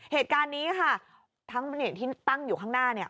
เหตุการณ์นี้ค่ะทั้งที่ตั้งอยู่ข้างหน้าเนี่ย